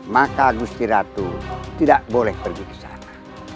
maka gusti rabu tidak boleh pergi ke sana